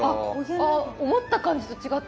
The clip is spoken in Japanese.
あ思った感じと違った。